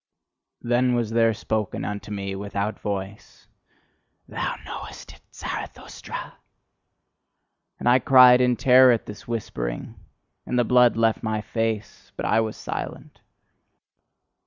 Then was there spoken unto me without voice: "THOU KNOWEST IT, ZARATHUSTRA?" And I cried in terror at this whispering, and the blood left my face: but I was silent.